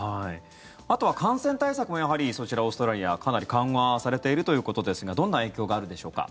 あとは感染対策もそちら、オーストラリアかなり緩和されているということですがどんな影響があるでしょうか。